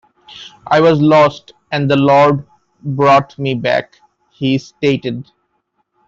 "I was lost and The Lord brought me back", he stated.